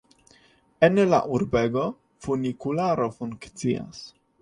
En la urbego funikularo funkcias.